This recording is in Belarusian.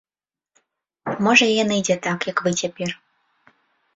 Можа, і яны дзе так, як вы цяпер.